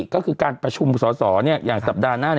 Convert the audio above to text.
ก็คือการประชุมสอสออย่างสัปดาห์หน้า